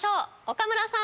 岡村さん。